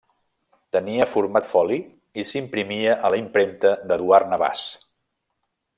Tenia format foli i s'imprimia a la Impremta d'Eduard Navàs.